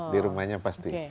di rumahnya pasti